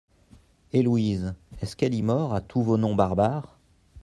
Et Louise, est-ce qu’elle y mord, à tous vos noms barbares ?